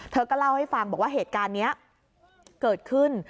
เธอก็เล่าให้ฟังบอกว่าเหตุการณ์นี้เกิดขึ้น